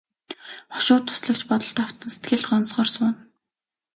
Хошуу туслагч бодолд автан сэтгэл гонсгор сууна.